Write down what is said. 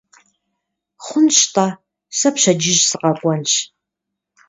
Хъунщ-тӀэ, сэ пщэдджыжь сыкъэкӀуэнщ.